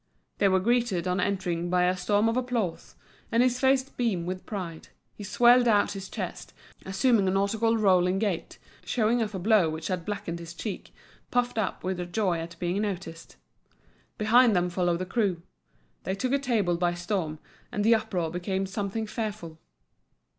They were greeted on entering by a storm of applause; and his face beamed with pride, he swelled out his chest, assuming a nautical rolling gait, showing off a blow which had blackened his cheek, puffed up with joy at being noticed. Behind them followed the crew. They took a table by storm, and the uproar became something fearful.